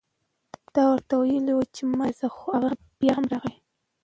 ما ورته وئيلي وو چې مه راځه، خو هغه بيا هم راغی